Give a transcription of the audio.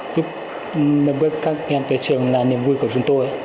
giúp các em tới trường là niềm vui của chúng tôi